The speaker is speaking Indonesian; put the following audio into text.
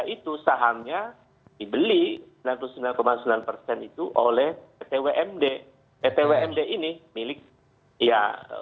itu sahamnya dibeli sembilan puluh sembilan sembilan persen itu oleh ptwmd pt wmd ini milik ya